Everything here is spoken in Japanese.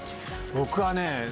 僕はね